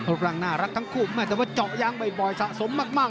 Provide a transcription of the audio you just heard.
ร่างน่ารักทั้งคู่แม่แต่ว่าเจาะยางบ่อยสะสมมาก